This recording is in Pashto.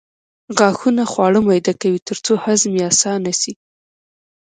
غاښونه خواړه میده کوي ترڅو هضم یې اسانه شي